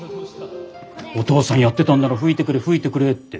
お父さんやってたんなら吹いてくれ吹いてくれって。